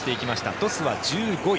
トスは１５位。